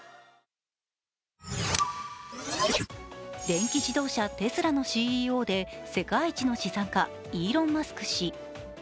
電気自動車テスラのＣＥＯで世界一の資産家イーロン・マスク氏。